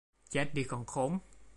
chết đi con khốn